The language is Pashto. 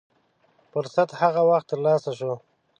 فرصت هغه وخت تر لاسه شو.